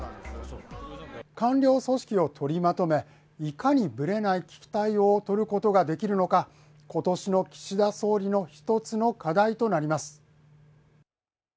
官僚組織を取りまとめいかにブレない危機対応をとることができるのか、今年の岸田総理の一つの課題となります。